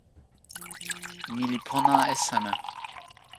mi li pona e seme?